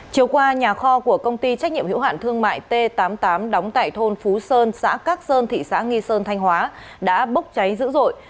chiều qua nhà kho của công ty trách nhiệm hiệu hạn thương mại t tám mươi tám đóng tại thôn phú sơn xã cát sơn thị xã nghi sơn thanh hóa đã bốc cháy dữ dội